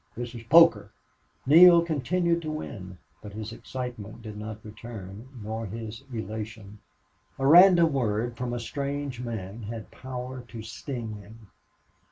"This is poker." Neale continued to win, but his excitement did not return, nor his elation. A random word from a strange man had power to sting him.